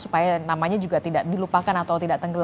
supaya namanya juga tidak dilupakan atau tidak tenggelam